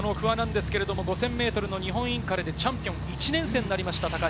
５０００ｍの日本インカレでチャンピオンに１年生でなりました。